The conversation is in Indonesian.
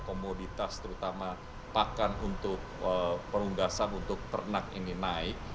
komoditas terutama pakan untuk perunggasan untuk ternak ini naik